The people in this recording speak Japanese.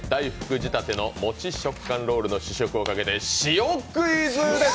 仕立てのもち食感ロールの試食をかけて、塩クイズです！